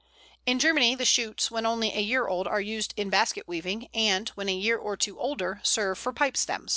In Germany the shoots, when only a year old, are used in basket weaving, and, when a year or two older, serve for pipe stems.